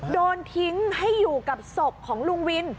โดนทิ้งให้อยู่กับศพของลุงวิน